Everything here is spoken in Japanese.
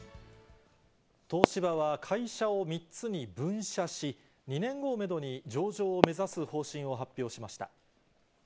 東芝は会社を３つに分社し、２年後をメドに上場を目指す方針を発表しました。